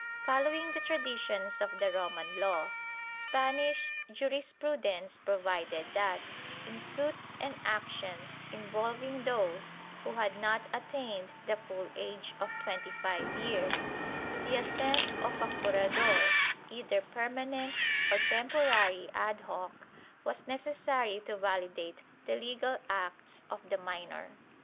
Following the traditions of the Roman law, Spanish jurisprudence provided that, in suits and actions involving those who had not attained the full age of twenty five years, the assent of a curador, either permanent or temporary ad hoc, was necessary to validate the legal acts of the minor.'